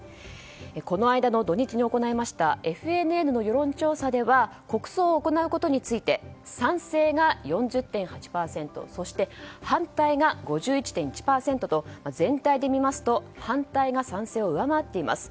この間の土日に行いましたＦＮＮの世論調査では国葬を行うことについて賛成が４０．８％そして反対が５１．１％と全体で見ますと反対が賛成を上回っています。